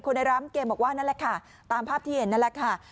ในร้านเกมบอกว่านั่นแหละค่ะตามภาพที่เห็นนั่นแหละค่ะ